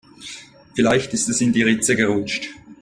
Vielleicht ist es in die Ritze gerutscht.